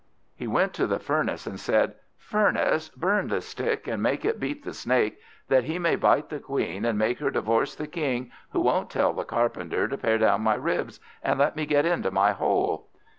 He went to the Furnace, and said, "Furnace, burn the Stick, and make it beat the Snake, that he may bite the Queen and make her divorce the King, who won't tell the Carpenter to pare down my ribs, and let me get into my hole."